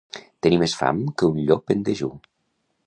Tenir més fam que un llop en dejú.